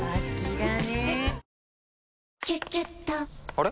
あれ？